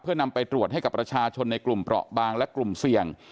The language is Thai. เพื่อนำไปตรวจให้กับประชาชนในกลุ่มเปราะบางและกลุ่มเสี่ยง